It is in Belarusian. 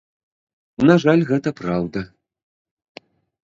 На жаль, гэта праўда.